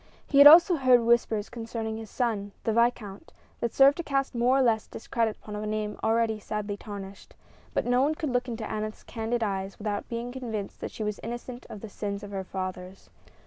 He had also heard whispers concerning his son, the viscount, that served to cast more or less discredit upon a name already sadly tarnished; but no one could look into Aneth's candid eyes without being convinced that she was innocent of the sins of her fathers.